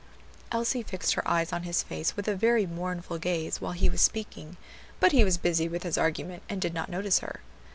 Elsie fixed her eyes on his face with a very mournful gaze while he was speaking, but he was busy with his argument and did not notice her.